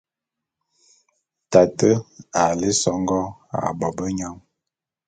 Tate a lé songó ā bobenyang.